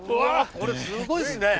これすごいっすね。